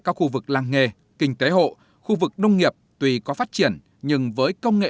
các khu vực làng nghề kinh tế hộ khu vực nông nghiệp tuy có phát triển nhưng với công nghệ